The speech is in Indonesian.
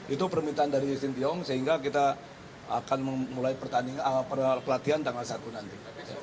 itu permintaan dari sintiong sehingga kita akan memulai pelatihan tanggal satu nanti